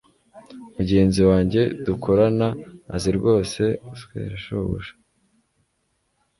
mugenzi wanjye dukorana azi rwose guswera shobuja